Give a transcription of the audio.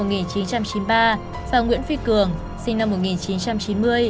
năm nguyễn phi cường sinh năm một nghìn chín trăm chín mươi